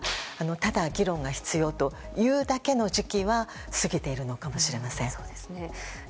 ただ議論が必要というだけの時期は過ぎているのかもしれません。